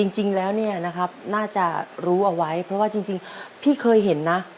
จริงแล้วเนี่ยนะครับน่าจะรู้เอาไว้เพราะว่าจริงพี่เคยเห็นนะ